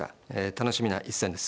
楽しみな一戦です。